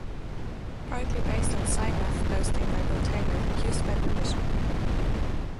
Partly based on sci.math posting by Bill Taylor, used by permission.